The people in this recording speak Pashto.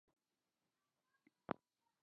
د هغه ځای د پرېښودو لامل څه وو؟